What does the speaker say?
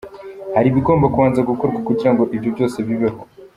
Hari ibigomba kubanza gukorwa kugira ngo ibyo byose bibeho.